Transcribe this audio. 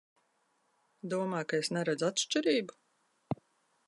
Domā, ka es neredzu atšķirību?